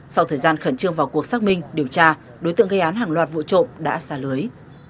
sau thời gian khẩn trương vào cuộc xác minh điều tra đối tượng gây án hàng loạt vụ trộm đã xả lưới